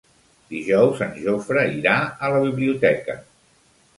Dijous en Jofre irà a la biblioteca.